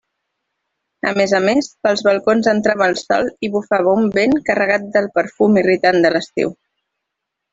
A més a més, pels balcons entrava el sol i bufava un vent carregat del perfum irritant de l'estiu.